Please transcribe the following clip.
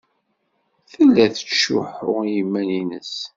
Tella tettcuḥḥu i yiman-nnes.